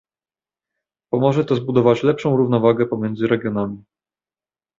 Pomoże to zbudować lepszą równowagę pomiędzy regionami